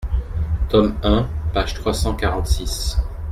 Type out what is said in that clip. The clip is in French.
tome un, page trois cent quarante-six.